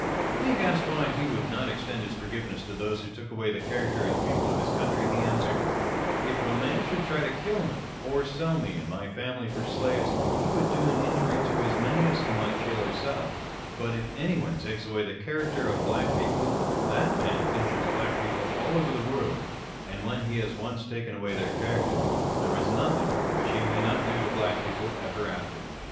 Being asked why he would noi 64 On Reason and Imagination. extend his forgiveness to those who took away the cha racter of the people of his country, he answered : c If a man should try to kill me, or should sell me and my family for slaves, he would do an injury to as many as he might kill or sell; but if anyone takes away the character of Black people, that man injures Black people all over the world ; and when he has once taken away their character, there is nothing which he may not do to Black people ever after.